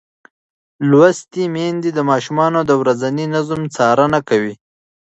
لوستې میندې د ماشومانو د ورځني نظم څارنه کوي.